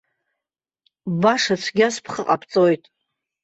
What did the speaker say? Баша цәгьас бхы ҟабҵоит.